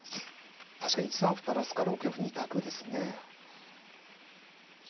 確かに１三歩垂らすか６四歩２択ですね。